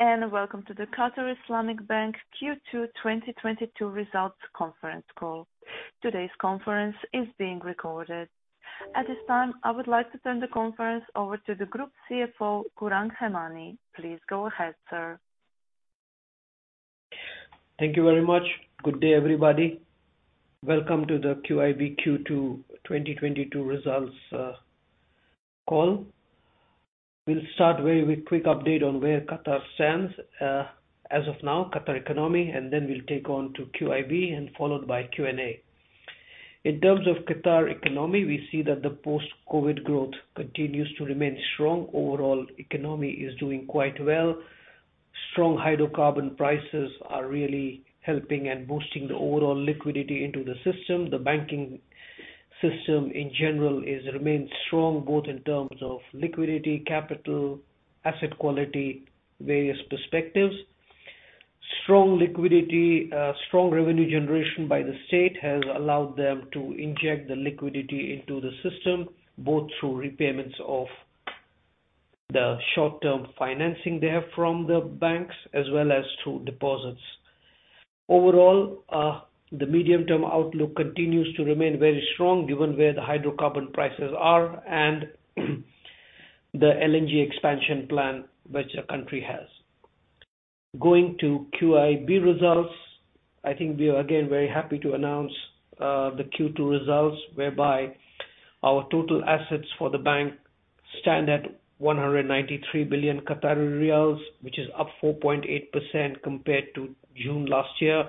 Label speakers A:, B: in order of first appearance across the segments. A: Good day and welcome to the Qatar Islamic Bank Q2 2022 Results Conference Call. Today's conference is being recorded. At this time, I would like to turn the conference over to the Group CFO, Gourang Hemani. Please go ahead, sir.
B: Thank you very much. Good day, everybody. Welcome to the QIB Q2 2022 Results Call. We'll start with a quick update on where Qatar stands as of now, Qatar economy, and then we'll take on to QIB and followed by Q&A. In terms of Qatar economy, we see that the post-COVID growth continues to remain strong. Overall economy is doing quite well. Strong hydrocarbon prices are really helping and boosting the overall liquidity into the system. The banking system in general remains strong, both in terms of liquidity, capital, asset quality, various perspectives. Strong liquidity, strong revenue generation by the state has allowed them to inject the liquidity into the system, both through repayments of the short-term financing they have from the banks as well as through deposits. Overall, the medium-term outlook continues to remain very strong given where the hydrocarbon prices are and the LNG expansion plan which the country has. Going to QIB results. I think we are again very happy to announce the Q2 results, whereby our total assets for the bank stand at 193 billion Qatari riyals, which is up 4.8% compared to June last year,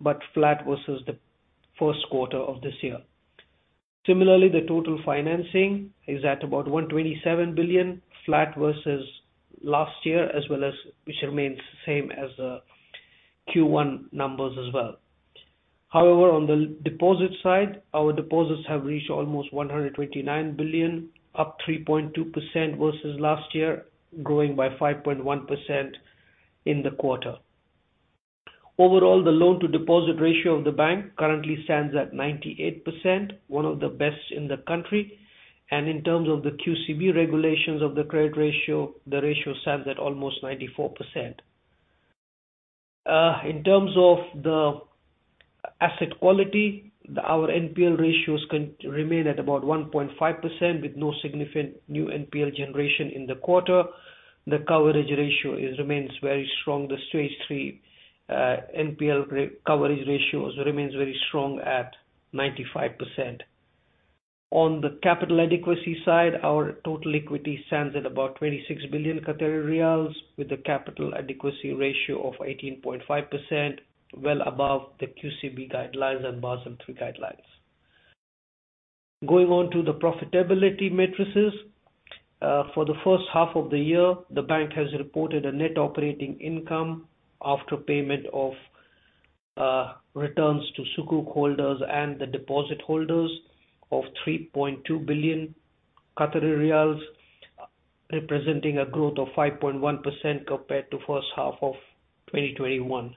B: but flat versus the Q1 of this year. Similarly, the total financing is at about 127 billion, flat versus last year, as well as which remains the same as the Q1 numbers as well. However, on the deposit side, our deposits have reached almost 129 billion, up 3.2% versus last year, growing by 5.1% in the quarter. Overall, the loan to deposit ratio of the bank currently stands at 98%, one of the best in the country. In terms of the QCB regulations of the credit ratio, the ratio stands at almost 94%. In terms of the asset quality, our NPL ratios remain at about 1.5% with no significant new NPL generation in the quarter. The coverage ratio remains very strong. The stage three NPL coverage ratios remain very strong at 95%. On the capital adequacy side, our total equity stands at about 26 billion Qatari riyals with a capital adequacy ratio of 18.5%, well above the QCB guidelines and Basel III guidelines. Going on to the profitability metrics. For the H1 of the year, the bank has reported a net operating income after payment of returns to Sukuk holders and the deposit holders of 3.2 billion Qatari riyals, representing a growth of 5.1% compared to H1 of 2021.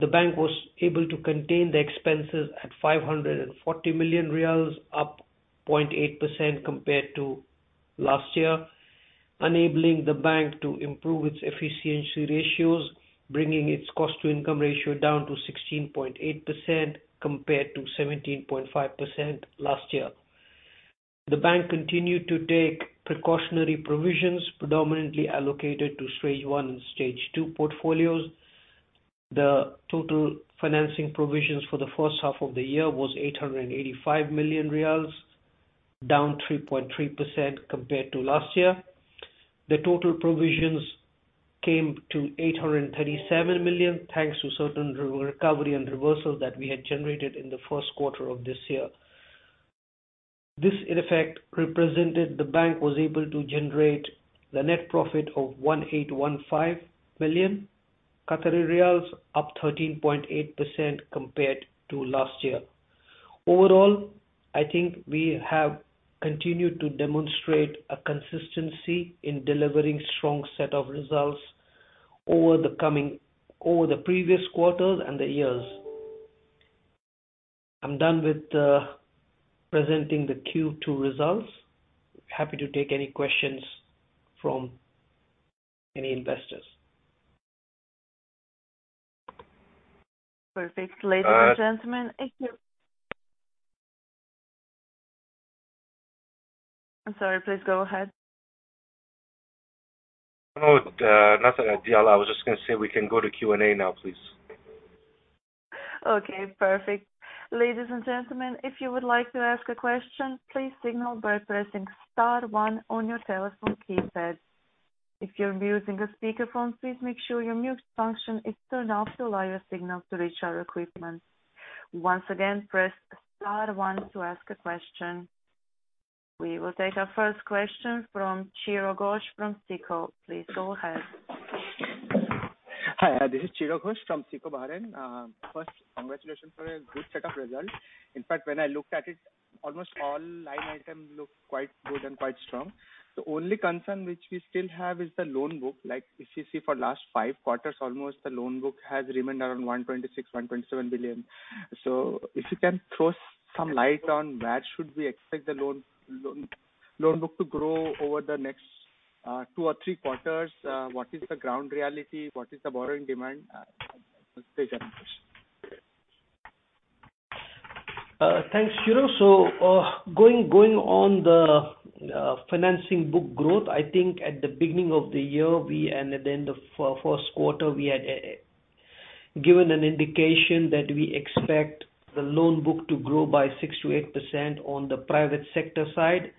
B: The bank was able to contain the expenses at 540 million riyals, up 0.8% compared to last year, enabling the bank to improve its efficiency ratios, bringing its cost to income ratio down to 16.8% compared to 17.5% last year. The bank continued to take precautionary provisions, predominantly allocated to stage one and stage two portfolios. The total financing provisions for the first half of the year was 885 million riyals, down 3.3% compared to last year. The total provisions came to 837 million, thanks to certain re-recovery and reversals that we had generated in the Q1 of this year. This, in effect, represented the bank was able to generate the net profit of 1,815 million Qatari riyals, up 13.8% compared to last year. Overall, I think we have continued to demonstrate a consistency in delivering strong set of results over the previous quarters and the years. I'm done with presenting the Q2 results. Happy to take any questions from any investors.
A: Perfect. Ladies and gentlemen, I'm sorry, please go ahead.
B: No, nothing. I was just gonna say we can go to Q&A now, please.
A: Okay, perfect. Ladies and gentlemen, if you would like to ask a question, please signal by pressing star one on your telephone keypad. If you're using a speakerphone, please make sure your mute function is turned off to allow your signal to reach our equipment. Once again, press star one to ask a question. We will take our first question from Chiro Ghosh from SICO. Please go ahead.
C: Hi, this is Chiro Ghosh from SICO Bahrain. First, congratulations for a good set of results. In fact, when I looked at it, almost all line items look quite good and quite strong. The only concern which we still have is the loan book. Like, if you see for last five quarters, almost the loan book has remained around 126 billion-127 billion. If you can throw some light on where we should expect the loan book to grow over the next two or three quarters? What is the ground reality? What is the borrowing demand? That's the general question.
B: Thanks, Chiro. Going on the financing book growth, I think at the beginning of the year, and at the end of Q1, we had given an indication that we expect the loan book to grow by 6%-8% on the private sector side,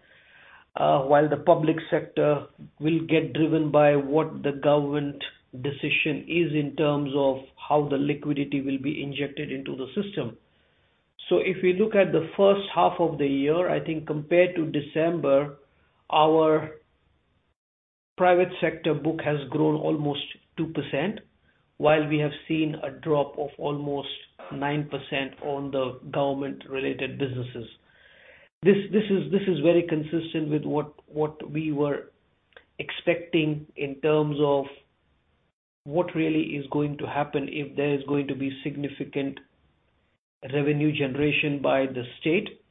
B: while the public sector will get driven by what the government decision is in terms of how the liquidity will be injected into the system. If we look at the H1 of the year, I think compared to December, our private sector book has grown almost 2%, while we have seen a drop of almost 9% on the government-related businesses. This is very consistent with what we were expecting in terms of what really is going to happen if there is going to be significant revenue generation by the state.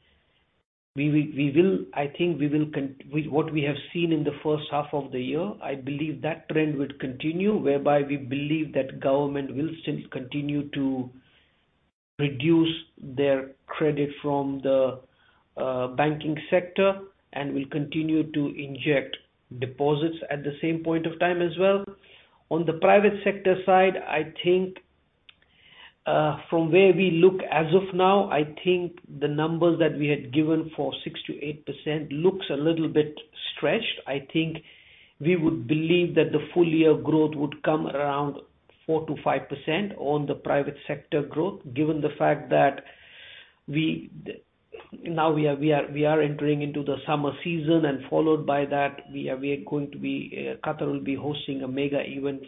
B: I think with what we have seen in the H1 of the year, I believe that trend would continue, whereby we believe that government will still continue to reduce their credit from the banking sector and will continue to inject deposits at the same point of time as well. On the private sector side, I think from where we look as of now, I think the numbers that we had given for 6%-8% looks a little bit stretched. I think we would believe that the full year growth would come around 4%-5% on the private sector growth, given the fact that now we are entering into the summer season, and followed by that, Qatar will be hosting a mega event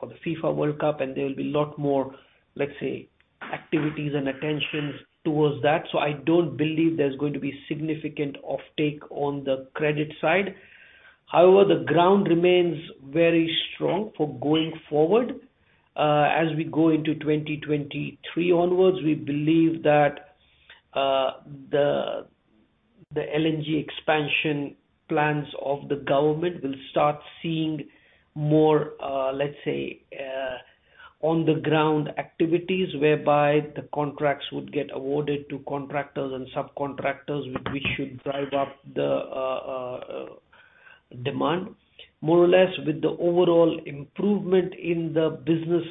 B: for the FIFA World Cup, and there will be a lot more, let's say, activities and attentions towards that. I don't believe there's going to be significant offtake on the credit side. However, the ground remains very strong for going forward. As we go into 2023 onwards, we believe that the LNG expansion plans of the government will start seeing more, let's say, on-the-ground activities, whereby the contracts would get awarded to contractors and subcontractors which should drive up the demand. More or less with the overall improvement in the business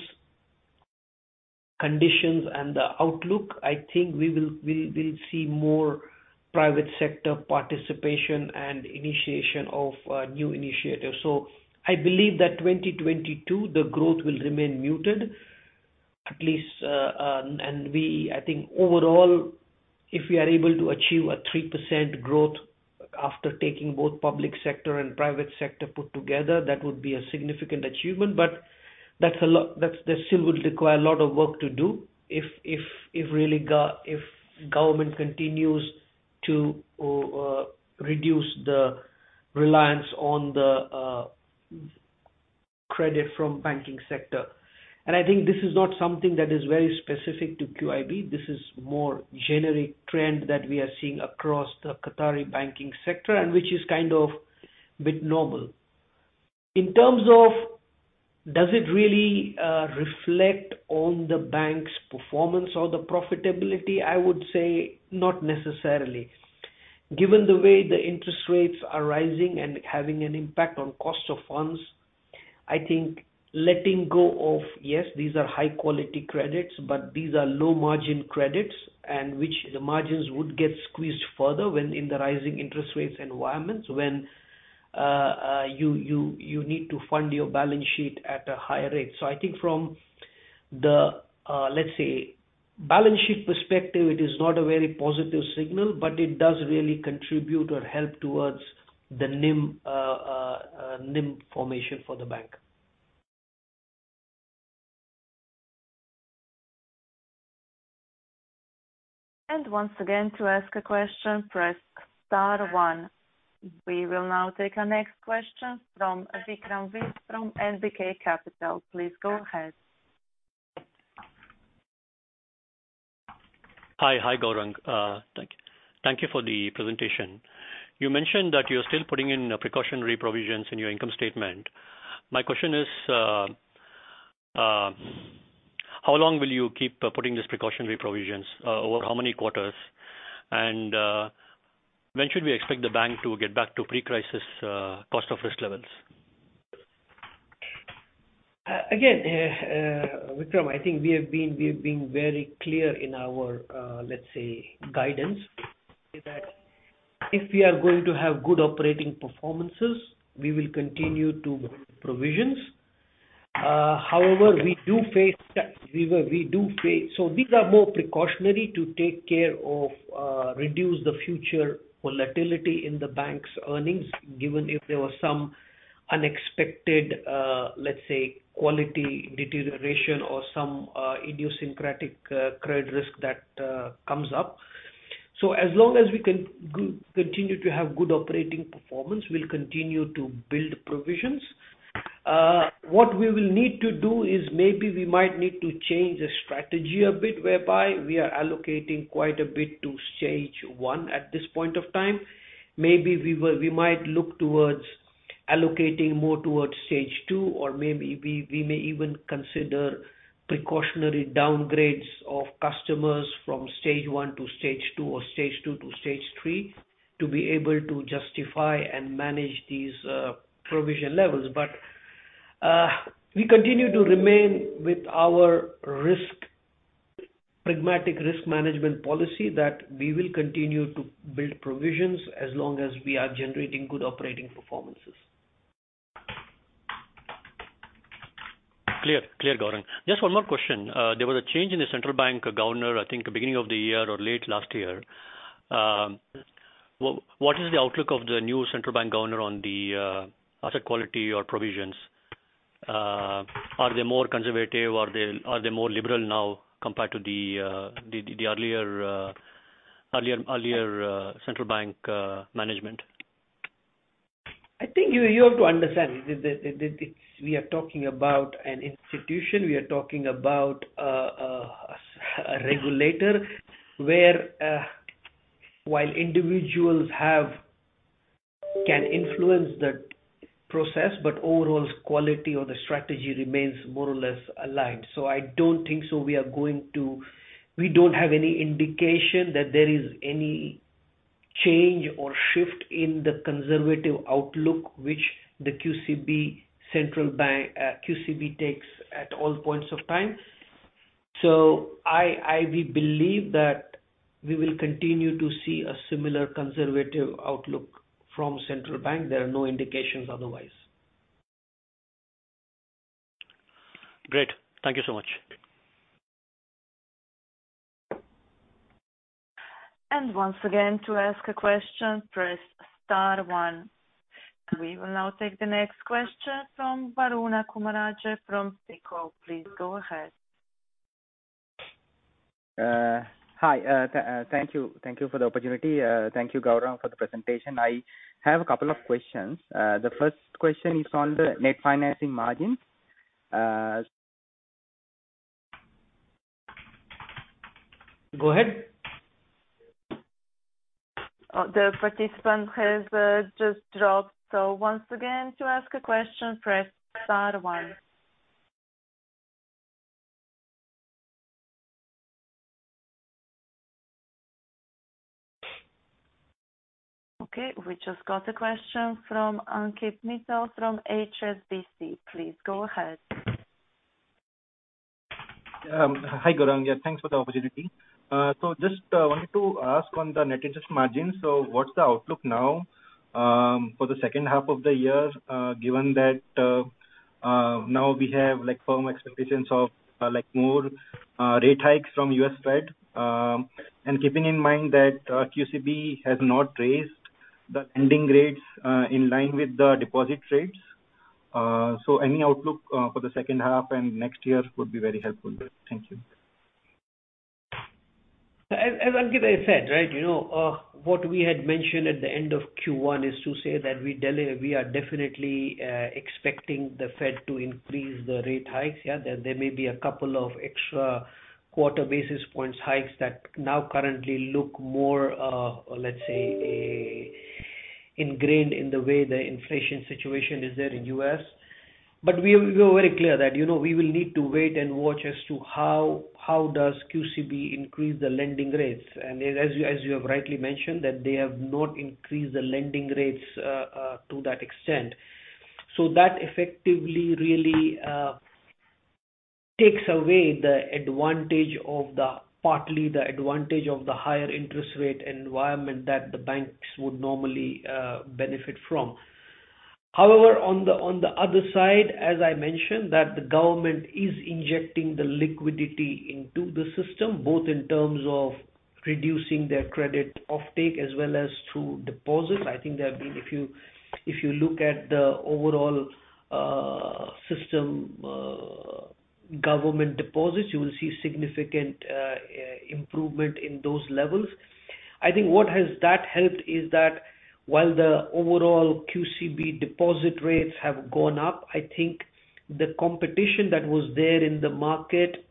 B: conditions and the outlook, I think we will see more private sector participation and initiation of new initiatives. I believe that 2022, the growth will remain muted at least, and we I think overall, if we are able to achieve a 3% growth after taking both public sector and private sector put together, that would be a significant achievement. That's a lot, that still would require a lot of work to do if government continues to reduce the reliance on the credit from banking sector. I think this is not something that is very specific to QIB. This is more generic trend that we are seeing across the Qatari banking sector and which is kind of bit normal. In terms of, does it really reflect on the bank's performance or the profitability? I would say not necessarily. Given the way the interest rates are rising and having an impact on cost of funds, I think letting go of. Yes, these are high-quality credits, but these are low-margin credits and which the margins would get squeezed further when in the rising interest rates environments, when you need to fund your balance sheet at a higher rate. I think from the, let's say, balance sheet perspective, it is not a very positive signal, but it does really contribute or help towards the NIM formation for the bank.
A: Once again, to ask a question, press star one. We will now take our next question from Vikram Viswanathan from NBK Capital. Please go ahead.
D: Hi. Hi, Gaurang. Thank you for the presentation. You mentioned that you're still putting in precautionary provisions in your income statement. My question is, how long will you keep putting these precautionary provisions? Over how many quarters? When should we expect the bank to get back to pre-crisis cost of risk levels?
B: Again, Vikram, I think we have been very clear in our, let's say, guidance is that if we are going to have good operating performances, we will continue to build provisions. However, we do face. These are more precautionary to take care of reduce the future volatility in the bank's earnings, given if there were some unexpected, let's say, quality deterioration or some idiosyncratic credit risk that comes up. As long as we can continue to have good operating performance, we'll continue to build provisions. What we will need to do is maybe we might need to change the strategy a bit, whereby we are allocating quite a bit to stage one at this point of time. We might look towards allocating more towards stage two, or maybe we may even consider precautionary downgrades of customers from stage one to stage two or stage two to stage three to be able to justify and manage these provision levels. We continue to remain with our risk pragmatic risk management policy that we will continue to build provisions as long as we are generating good operating performances.
D: Clear. Clear, Gaurang. Just one more question. There was a change in the Central Bank governor, I think beginning of the year or late last year. What is the outlook of the new Central Bank governor on the asset quality or provisions? Are they more conservative? Are they more liberal now compared to the earlier Central Bank management?
B: I think you have to understand that it's we are talking about an institution. We are talking about a regulator where while individuals can influence the process, but overall quality or the strategy remains more or less aligned. I don't think we are going to. We don't have any indication that there is any change or shift in the conservative outlook which the QCB central bank, QCB takes at all points of time. We believe that we will continue to see a similar conservative outlook from Central Bank. There are no indications otherwise.
D: Great. Thank you so much.
A: Once again, to ask a question, press star one. We will now take the next question from Waruna Kumarage from SICO. Please go ahead.
E: Hi. Thank you. Thank you for the opportunity. Thank you, Gaurang, for the presentation. I have a couple of questions. The first question is on the net financing margin.
B: Go ahead.
A: The participant has just dropped. Once again, to ask a question, press star one. Okay, we just got a question from Ankit Mittal from HSBC. Please go ahead.
F: Hi, Gourang. Yeah, thanks for the opportunity. Just wanted to ask on the net interest margin. What's the outlook now for the second half of the year, given that now we have like firm expectations of like more rate hikes from U.S. Fed, and keeping in mind that QCB has not raised the lending rates in line with the deposit rates. Any outlook for the H2 and next year would be very helpful. Thank you.
B: As Ankit has said, right, you know, what we had mentioned at the end of Q1 is to say that we are definitely expecting the Fed to increase the rate hikes. There may be a couple of extra quarter basis points hikes that now currently look more, let's say, ingrained in the way the inflation situation is there in the U.S. We were very clear that, you know, we will need to wait and watch as to how QCB increases the lending rates. As you have rightly mentioned, they have not increased the lending rates to that extent. That effectively really takes away the advantage of partly the advantage of the higher interest rate environment that the banks would normally benefit from. However, on the other side, as I mentioned, that the government is injecting the liquidity into the system, both in terms of reducing their credit offtake as well as through deposits. I think there have been a few. If you look at the overall system, government deposits, you will see significant improvement in those levels. I think what has that helped is that while the overall QCB deposit rates have gone up, I think the competition that was there in the market,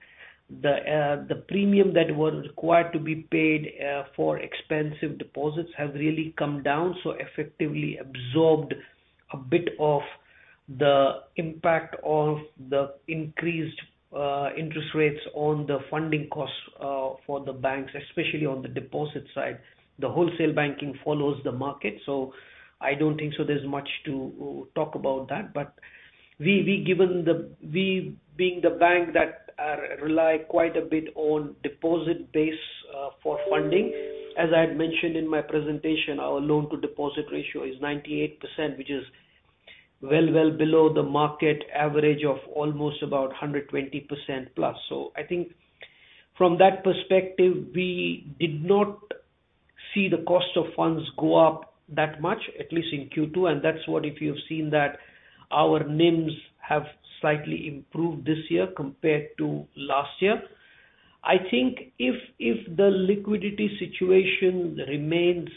B: the premium that was required to be paid for expensive deposits has really come down, so effectively absorbed a bit of the impact of the increased interest rates on the funding costs for the banks, especially on the deposit side. The wholesale banking follows the market. I don't think there's much to talk about that. We being the bank that rely quite a bit on deposit base for funding. As I had mentioned in my presentation, our loan to deposit ratio is 98%, which is well below the market average of almost about 120% plus. I think from that perspective, we did not see the cost of funds go up that much, at least in Q2, and that's why if you've seen that our NIMs have slightly improved this year compared to last year. I think if the liquidity situation remains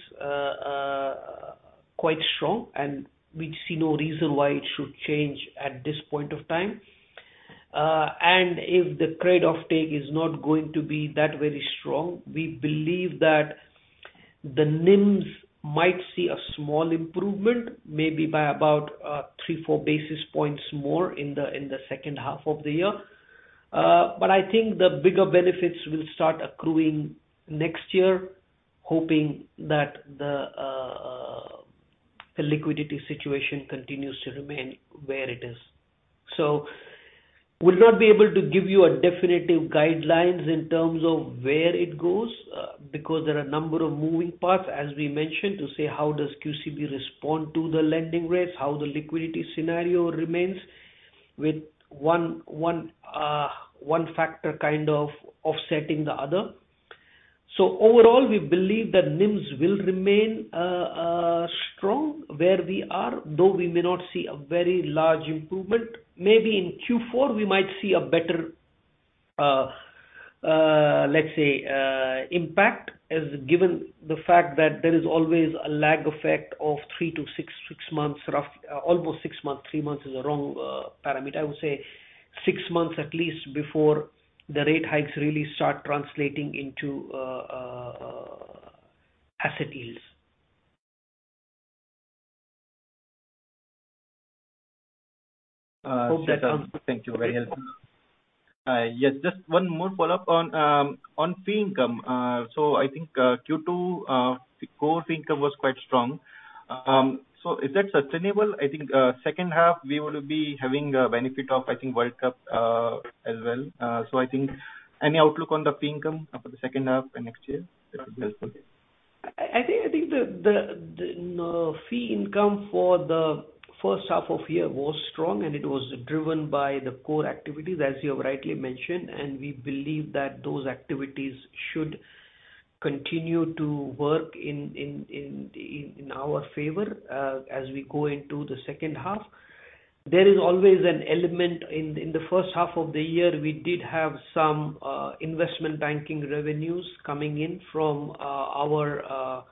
B: quite strong and we see no reason why it should change at this point of time, and if the trade-off take is not going to be that very strong, we believe that the NIMS might see a small improvement maybe by about three-four basis points more in the H2 of the year. I think the bigger benefits will start accruing next year, hoping that the liquidity situation continues to remain where it is. I would not be able to give you a definitive guidelines in terms of where it goes, because there are a number of moving parts, as we mentioned, to say how does QCB respond to the lending rates, how the liquidity scenario remains with one factor kind of offsetting the other. Overall, we believe that NIMS will remain strong where we are, though we may not see a very large improvement. Maybe in Q4 we might see a better, let's say, impact, as given the fact that there is always a lag effect of three-six months, almost six months. Three months is a wrong parameter. I would say six months at least before the rate hikes really start translating into asset yields. Hope that helps.
F: Thank you. Very helpful. Yes, just one more follow-up on fee income. So I think Q2 the core fee income was quite strong. So is that sustainable? I think H2 we will be having a benefit of, I think, World Cup as well. So I think any outlook on the fee income for the H2 and next year? That would be helpful.
B: I think the fee income for the H1 of the year was strong and it was driven by the core activities, as you have rightly mentioned. We believe that those activities should continue to work in our favor as we go into the H2. There is always an element in the H1 of the year. We did have some investment banking revenues coming in from our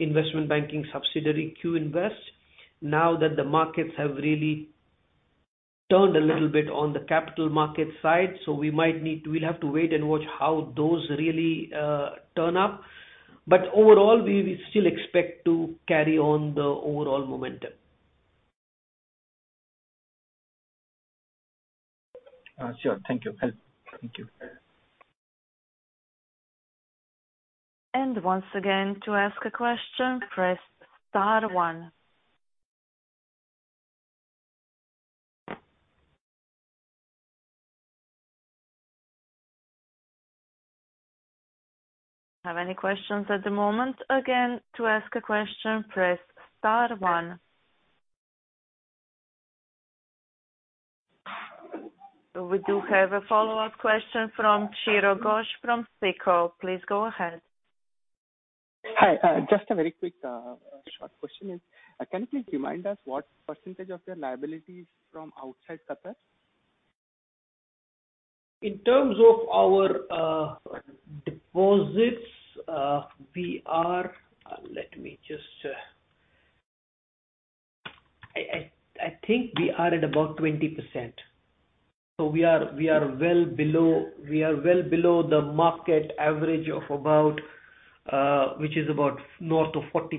B: investment banking subsidiary, QInvest. Now that the markets have really turned a little bit on the capital market side, we'll have to wait and watch how those really turn up. Overall we still expect to carry on the overall momentum.
F: Sure. Thank you. Thank you.
A: Once again, to ask a question, press star one. Have any questions at the moment? Again, to ask a question, press star one. We do have a follow-up question from Chiro Ghosh from SICO. Please go ahead.
C: Hi. Just a very quick, short question is, can you please remind us what percentage of your liability is from outside Qatar?
B: In terms of our deposits, we are at about 20%. We are well below the market average, which is about north of 40%.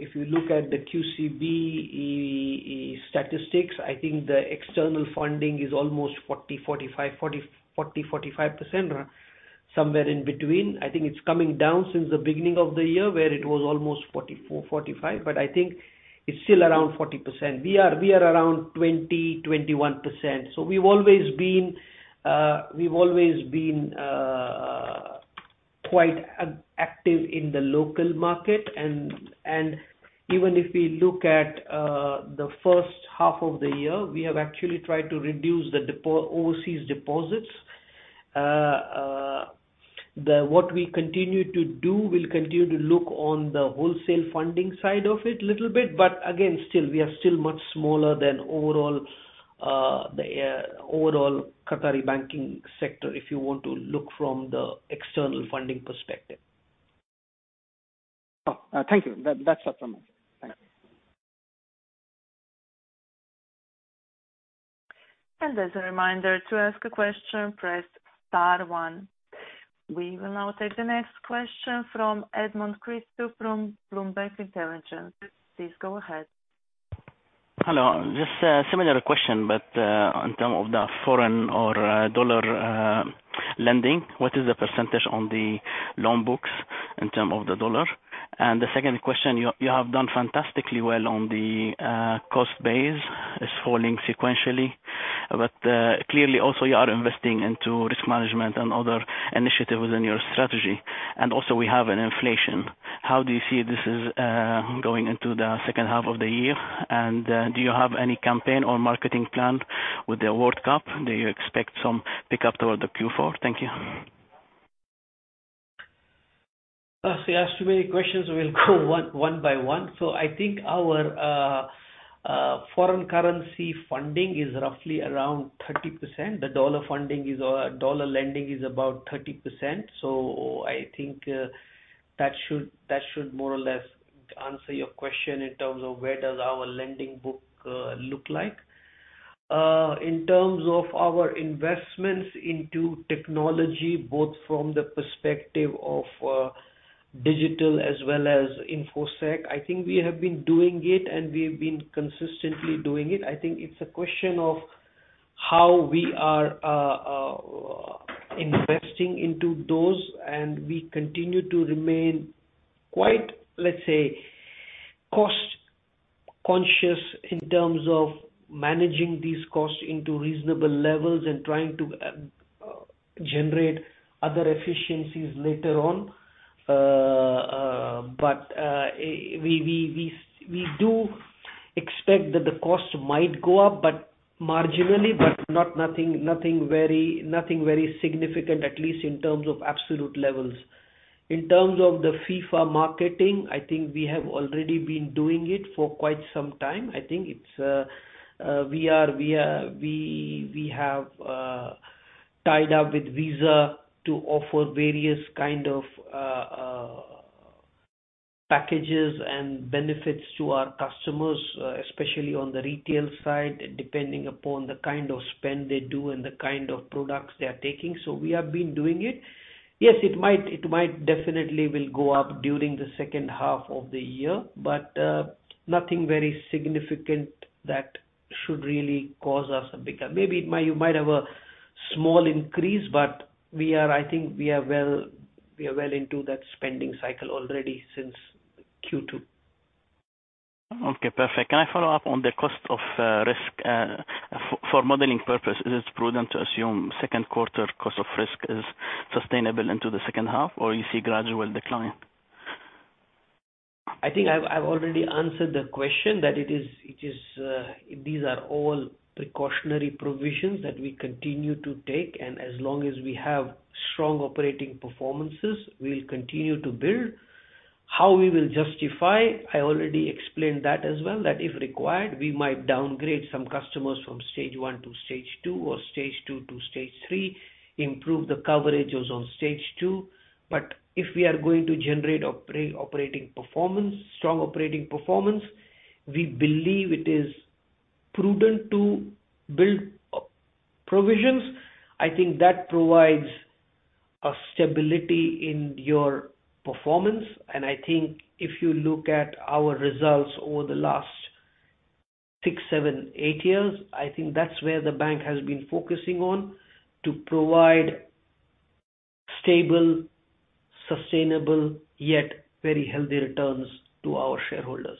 B: If you look at the QCB statistics, I think the external funding is almost 40-45%, somewhere in between. I think it's coming down since the beginning of the year where it was almost 44-45, but I think it's still around 40%. We are around 20-21%. We've always been quite active in the local market and even if we look at the first half of the year, we have actually tried to reduce overseas deposits. What we continue to do, we'll continue to look on the wholesale funding side of it little bit, but again, still, we are still much smaller than overall the overall Qatari banking sector, if you want to look from the external funding perspective.
C: Oh, thank you. That's all from me. Thank you.
A: As a reminder, to ask a question, press star one. We will now take the next question from Edmond Christou from Bloomberg Intelligence. Please go ahead.
G: Hello. Just a similar question, but in terms of the dollar lending, what is the percentage on the loan books in terms of the dollar? The second question, you have done fantastically well on the cost base. It's falling sequentially. Clearly also you are investing into risk management and other initiatives within your strategy, and also we have an inflation. How do you see this is going into the H2 of the year? Do you have any campaign or marketing plan with the World Cup? Do you expect some pickup toward the Q4? Thank you.
B: You asked too many questions. We'll go one by one. I think our foreign currency funding is roughly around 30%. The dollar funding is, or dollar lending is about 30%, so I think that should more or less answer your question in terms of where does our lending book look like. In terms of our investments into technology, both from the perspective of digital as well as InfoSec, I think we have been doing it and we've been consistently doing it. I think it's a question of how we are investing into those, and we continue to remain quite, let's say, cost conscious in terms of managing these costs into reasonable levels and trying to generate other efficiencies later on. We do expect that the cost might go up, but marginally, but not nothing very significant, at least in terms of absolute levels. In terms of the FIFA marketing, I think we have already been doing it for quite some time. I think it's we have tied up with Visa to offer various kind of packages and benefits to our customers, especially on the retail side, depending upon the kind of spend they do and the kind of products they are taking. So we have been doing it. Yes, it definitely will go up during the H2 of the year, but nothing very significant that should really cause us a bigger. Maybe it might, you might have a small increase, but we are well into that spending cycle already since Q2.
G: Okay, perfect. Can I follow up on the cost of risk? For modeling purpose, is it prudent to assume second quarter cost of risk is sustainable into the second half, or you see gradual decline?
B: I think I've already answered the question that it is these are all precautionary provisions that we continue to take, and as long as we have strong operating performances, we'll continue to build. How we will justify, I already explained that as well, that if required, we might downgrade some customers from stage one to stage two or stage two to stage three, improve the coverages on stage two. If we are going to generate operating performance, strong operating performance, we believe it is prudent to build provisions. I think that provides a stability in your performance, and I think if you look at our results over the last six, seven, eight years, I think that's where the bank has been focusing on to provide stable, sustainable, yet very healthy returns to our shareholders.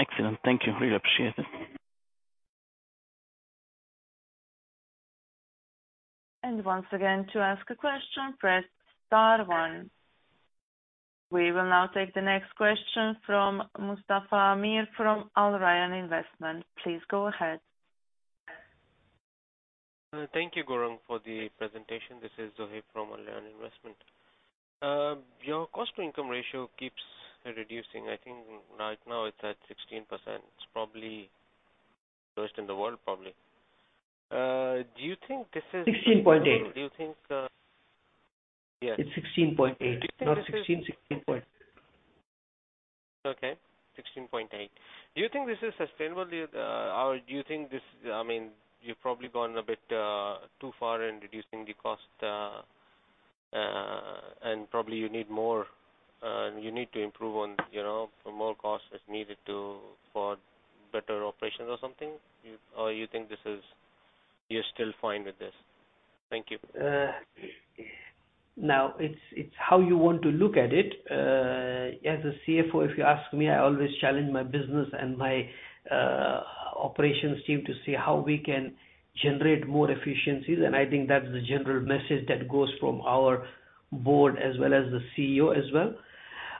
G: Excellent. Thank you. Really appreciate it.
A: Once again, to ask a question, press star one. We will now take the next question from Zohaib Pervez from Al Rayan Investment. Please go ahead.
H: Thank you, Gaurang, for the presentation. This is Zohaib Pervez from Al Rayan Investment. Your cost to income ratio keeps reducing. I think right now it's at 16%. It's probably lowest in the world, probably. Do you think this is?
B: 16.8.
H: Do you think? Yes.
B: It's 16.8.
H: Do you think this is?
B: Not 16 point.
H: Okay. 16.8%. Do you think this is sustainable, or do you think I mean, you've probably gone a bit too far in reducing the cost, and probably you need more, you need to improve on, you know, for more cost that's needed to, for better operations or something? Or you think you're still fine with this? Thank you.
B: Now, it's how you want to look at it. As a CFO, if you ask me, I always challenge my business and my operations team to see how we can generate more efficiencies, and I think that's the general message that goes from our board as well as the CEO as well.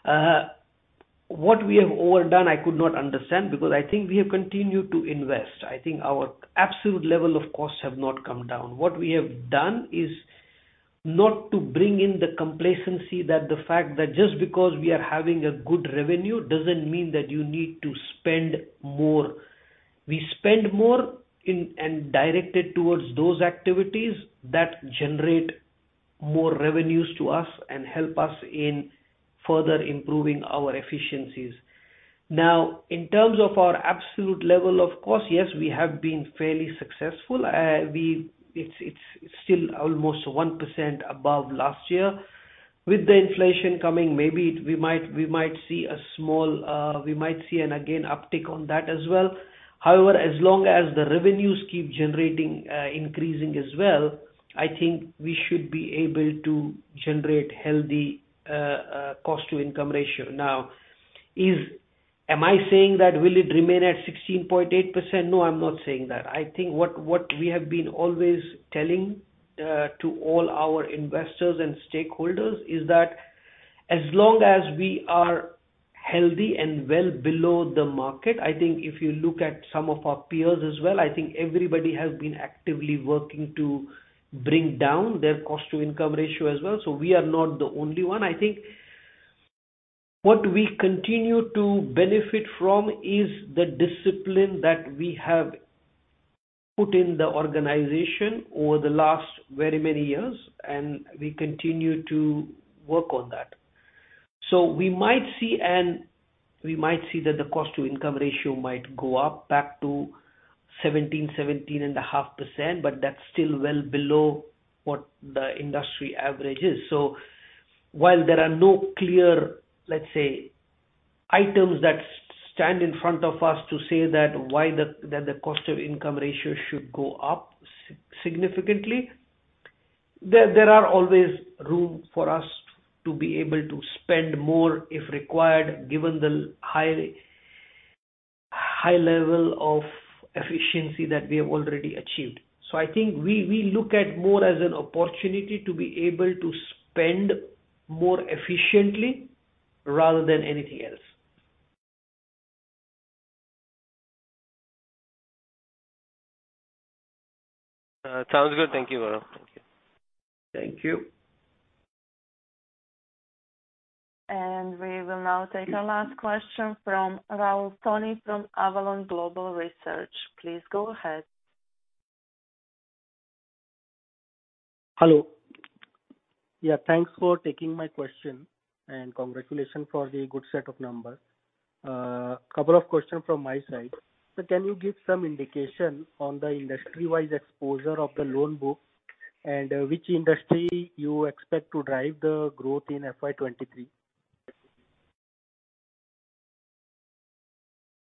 B: What we have overdone, I could not understand, because I think we have continued to invest. I think our absolute level of costs have not come down. What we have done is not to bring in the complacency that the fact that just because we are having a good revenue doesn't mean that you need to spend more. We spend more in, and directed towards those activities that generate more revenues to us and help us in further improving our efficiencies. Now, in terms of our absolute level of cost, yes, we have been fairly successful. It's still almost 1% above last year. With the inflation coming, maybe we might see a small uptick on that as well. However, as long as the revenues keep increasing as well, I think we should be able to generate healthy cost to income ratio. Am I saying that it will remain at 16.8%? No, I'm not saying that. I think what we have been always telling to all our investors and stakeholders is that as long as we are healthy and well below the market. I think if you look at some of our peers as well, I think everybody has been actively working to bring down their cost to income ratio as well, so we are not the only one. I think what we continue to benefit from is the discipline that we have put in the organization over the last very many years, and we continue to work on that. We might see that the cost to income ratio might go up back to 17-17.5%, but that's still well below what the industry average is. While there are no clear, let's say, items that stand in front of us to say that the cost to income ratio should go up significantly, there are always room for us to be able to spend more if required, given the high level of efficiency that we have already achieved. I think we look at more as an opportunity to be able to spend more efficiently rather than anything else.
H: Sounds good. Thank you, Gourang. Thank you.
B: Thank you.
A: We will now take our last question from Rahul Tony from Avalon Global Research. Please go ahead.
I: Hello. Yeah, thanks for taking my question, and congratulations for the good set of numbers. Couple of questions from my side. Can you give some indication on the industry-wide exposure of the loan book and which industry you expect to drive the growth in FY 2023?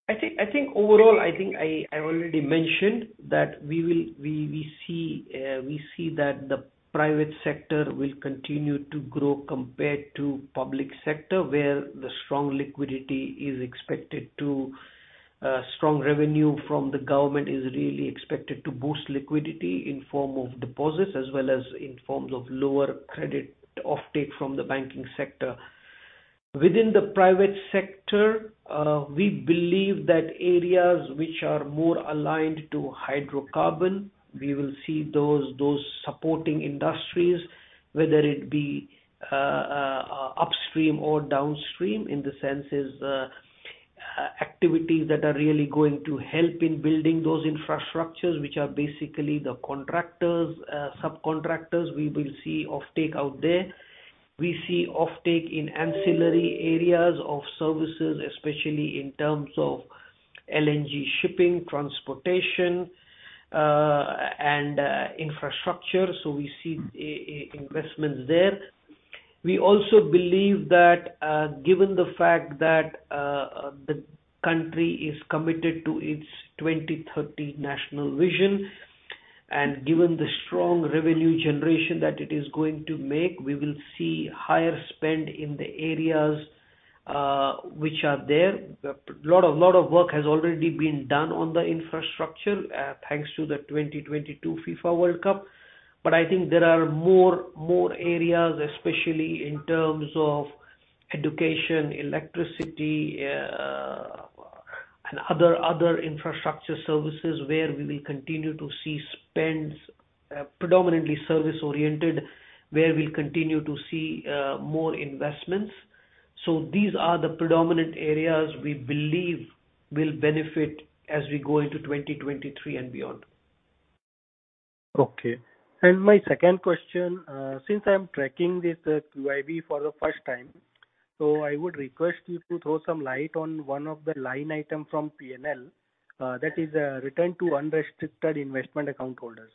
B: I think overall I already mentioned that we see that the private sector will continue to grow compared to public sector, where strong revenue from the government is really expected to boost liquidity in form of deposits as well as in forms of lower credit offtake from the banking sector. Within the private sector, we believe that areas which are more aligned to hydrocarbon we will see those supporting industries, whether it be upstream or downstream in the sense, it's activities that are really going to help in building those infrastructures, which are basically the contractors, subcontractors we will see offtake out there. We see offtake in ancillary areas of services, especially in terms of LNG shipping, transportation, and infrastructure, so we see investments there. We also believe that, given the fact that, the country is committed to its Qatar National Vision 2030 and given the strong revenue generation that it is going to make, we will see higher spend in the areas, which are there. A lot of work has already been done on the infrastructure, thanks to the 2022 FIFA World Cup. I think there are more areas, especially in terms of education, electricity, and other infrastructure services, where we will continue to see spends, predominantly service-oriented, where we'll continue to see more investments. These are the predominant areas we believe will benefit as we go into 2023 and beyond.
I: Okay. My second question, since I'm tracking this QIB for the first time, so I would request you to throw some light on one of the line item from P&L, that is, return to unrestricted investment account holders.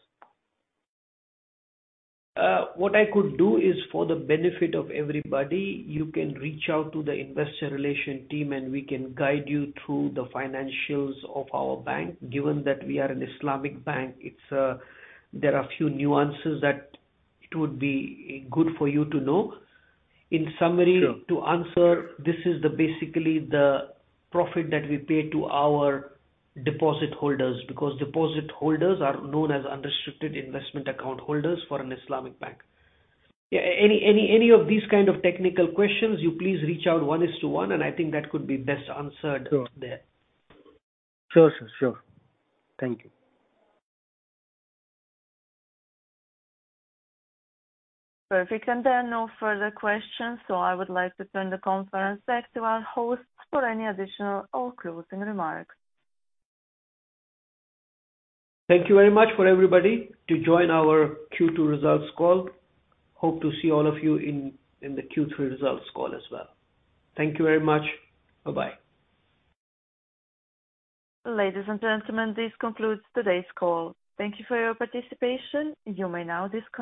B: What I could do is for the benefit of everybody, you can reach out to the Investor Relations team, and we can guide you through the financials of our bank. Given that we are an Islamic bank, there are few nuances that it would be good for you to know. In summary.
I: Sure.
B: To answer, this is basically the profit that we pay to our deposit holders because deposit holders are known as unrestricted investment account holders for an Islamic bank. Yeah, any of these kind of technical questions, please reach out one-on-one, and I think that could be best answered there.
I: Sure. Thank you.
A: Perfect. There are no further questions, so I would like to turn the conference back to our host for any additional or closing remarks.
B: Thank you very much for everybody to join our Q2 results call. Hope to see all of you in the Q3 results call as well. Thank you very much. Bye-bye.
A: Ladies and gentlemen, this concludes today's call. Thank you for your participation. You may now disconnect.